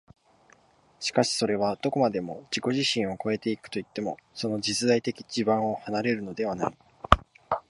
しかしそれはどこまでも自己自身を越え行くといっても、その実在的地盤を離れるのではない。